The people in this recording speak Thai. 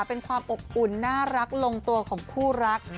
เป็นความอบอุ่นน่ารักลงตัวของคู่รัก